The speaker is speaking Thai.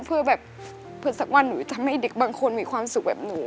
เพื่อแบบเพื่อสักวันหนูทำให้เด็กบางคนมีความสุขแบบหนู